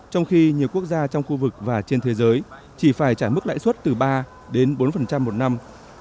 trong khi nhiều quốc gia trong khu vực và trên thế giới chỉ phải trả mức lãi suất từ ba đến bốn một năm